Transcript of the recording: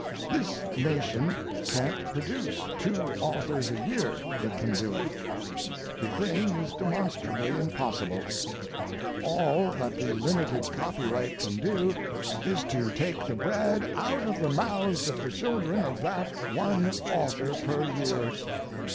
This nation can't produce two authors a year that can do it; the thing is demonstrably impossible. All that the limited copyright can do is to take the bread out of the mouths of the children of that one author per year.